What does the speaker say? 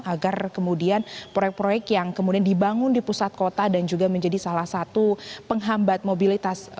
agar kemudian proyek proyek yang kemudian dibangun di pusat kota dan juga menjadi salah satu penghambat mobilitas